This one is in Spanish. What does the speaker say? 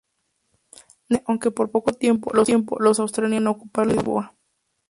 En el oeste, aunque por poco tiempo, los asturianos llegaron a ocupar Lisboa.